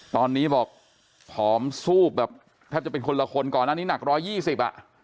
ตอนนี้บอกผอมซูบแบบแทบจะเป็นคนละคนก่อนอันนี้หนักร้อยยี่สิบอ่ะ